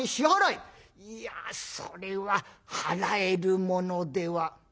「いやそれは払えるものでは」。